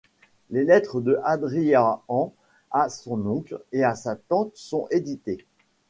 Les lettres de Adriaan à son oncle et à sa tante sont éditées.